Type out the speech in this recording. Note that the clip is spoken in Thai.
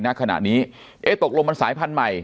ณขณะนี้เอ๊ะตกลงมันสายพันธุ์ใหม่